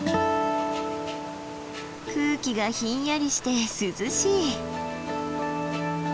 空気がひんやりして涼しい。